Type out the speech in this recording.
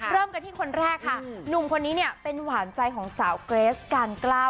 เริ่มกันที่คนแรกค่ะหนุ่มคนนี้เนี่ยเป็นหวานใจของสาวเกรสการกล้า